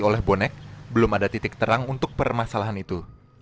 oleh bonek belum ada titik terang untuk permasalahan itu